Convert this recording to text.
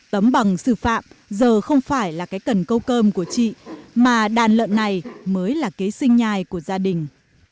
tấm bằng sư phạm giờ không phải là cái cần câu cơm của chị mà đàn lợn này mới là kế sinh nhai của gia đình